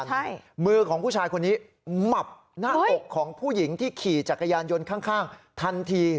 ใช่มือของผู้ชายคนนี้หมับหน้าอกของผู้หญิงที่ขี่จักรยานยนต์ข้างทันที